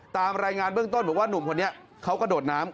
ตามรายงานเบื้องต้นบอกว่าหนุ่มคนนี้เขากระโดดน้ำ